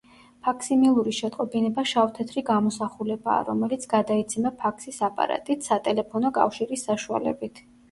ფაქსიმილური შეტყობინება შავ-თეთრი გამოსახულებაა, რომელიც გადაიცემა ფაქსის აპარატით სატელეფონო კავშირის საშუალებით.